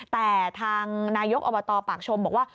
แต่ทางนายกอบตปากชมบอกว่า